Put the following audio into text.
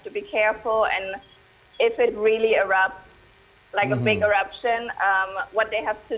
tentang vulkan dan tentang pengebom jadi mereka harus berhati hati